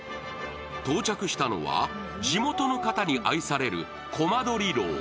到着したのは地元の方に愛されるこまどり樓。